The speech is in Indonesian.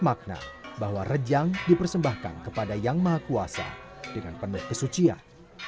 makna bahwa rejang dipersembahkan kepada yang maha kuasa dengan penuh kesucian